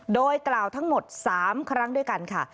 โดยกล่าวทั้งหมด๓ครั้งด้วยกันค่ะ